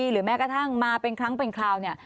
หรือแม้กระทั่งมาเป็นครั้งเป็นคราวเนี่ย